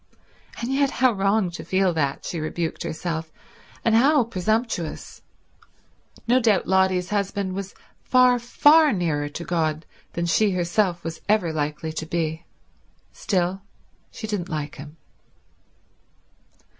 And yet how wrong to feel that, she rebuked herself, and how presumptuous. No doubt Lotty's husband was far, far nearer to God than she herself was ever likely to be. Still, she didn't like him.